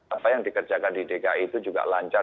apa yang dikerjakan di dki itu juga lancar